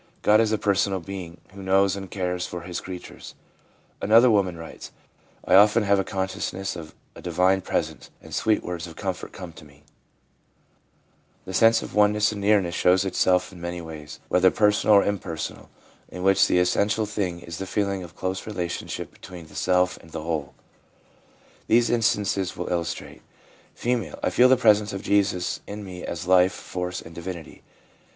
God is a personal Being, who knows and cares for His creatures/ Another woman writes :' I have often a consciousness of a Divine Presence, and sweet words of comfort come to me/ The sense of oneness and nearness shows itself in many ways, whether personal or impersonal, in which the essential thing is the feeling of close relationship between the self and the whole. These instances will illustrate: F. ' I feel the presence of Jesus in me as life, force and divinity/ F.